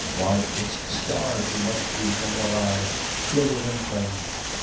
17 rhy, it's starved you must be, woman alive, cliver and clane.